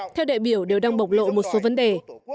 theo đại biểu đều đang bộc lộ một số vấn đề